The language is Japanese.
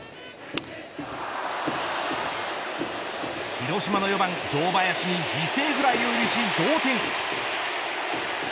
広島の４番堂林に犠牲フライを許し同点。